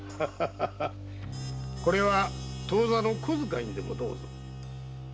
これは当座の小遣いにでもどうぞ。